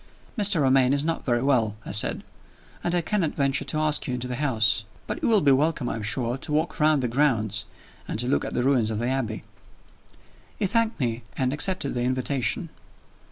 "Mr. Romayne is not very well," I said; "and I cannot venture to ask you into the house. But you will be welcome, I am sure, to walk round the grounds, and to look at the ruins of the Abbey." He thanked me, and accepted the invitation.